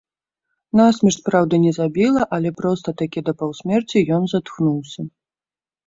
Насмерць, праўда, не забіла, але проста такі да паўсмерці ён затхнуўся.